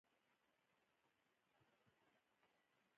خاوره د افغانانو د ژوند طرز هم په پوره توګه اغېزمنوي.